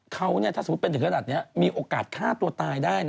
เขาถ้าสมมุติเป็นถึงขนาดนี้มีโอกาสฆ่าตัวตายได้